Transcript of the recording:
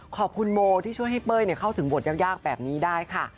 โมที่ช่วยให้เป้ยเข้าถึงบทยากแบบนี้ได้ค่ะ